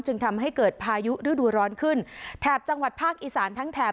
จึงทำให้เกิดพายุฤดูร้อนขึ้นแถบจังหวัดภาคอีสานทั้งแถบ